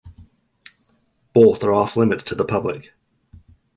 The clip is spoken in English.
Both are off limits to the public.